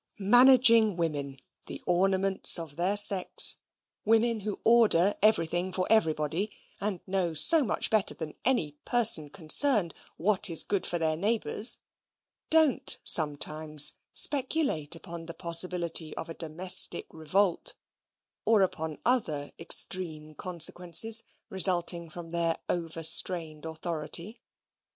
Managing women, the ornaments of their sex women who order everything for everybody, and know so much better than any person concerned what is good for their neighbours, don't sometimes speculate upon the possibility of a domestic revolt, or upon other extreme consequences resulting from their overstrained authority.